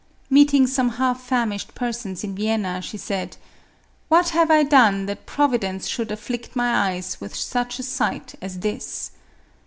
Meeting some half famished persons in Vienna, she said, " What have I done that Providence should af flict my eyes with such a sight as this